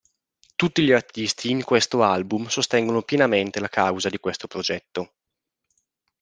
Tutti gli artisti in questo album sostengono pienamente la causa di questo progetto.